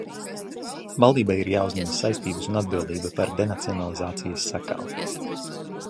Valdībai ir jāuzņemas saistības un atbildība par denacionalizācijas sekām.